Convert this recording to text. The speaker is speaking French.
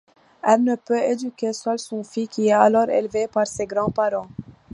Elle ne peut éduquer seule son fils qui est alors élevé par ses grands-parents.